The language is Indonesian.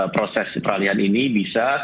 proses peralihan ini bisa